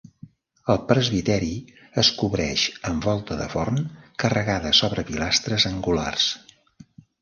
El presbiteri es cobreix amb volta de forn carregada sobre pilastres angulars.